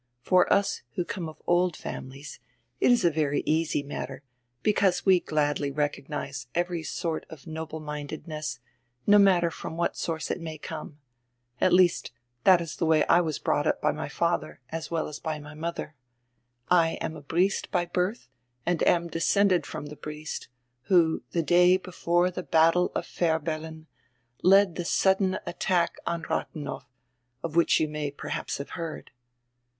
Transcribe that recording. For us who come of old families it is a very easy matter, because we gladly recognize every sort of noble mindedness, no matter from what source it may come. At least diat is die way I was brought up by my fadier, as well as by my modier. I am a Briest by birdi and am descended from die Briest, who, die day before die battie of Fehr bellin, led die sudden attack on Radienow, of which you may perhaps have heard."